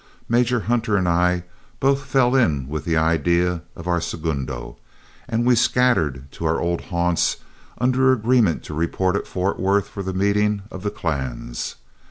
Major Hunter and I both fell in with the idea of our segundo, and we scattered to our old haunts under agreement to report at Fort Worth for the meeting of the clans.